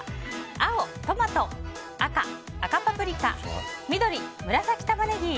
青、トマト赤、赤パプリカ緑、紫タマネギ。